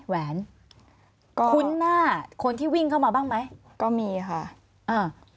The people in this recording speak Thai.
แหวนก็คุ้นหน้าคนที่วิ่งเข้ามาบ้างไหมก็มีค่ะอ่า